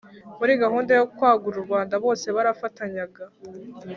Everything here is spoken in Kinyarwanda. muri gahunda yo kwagura u rwanda bose barafatanyaga,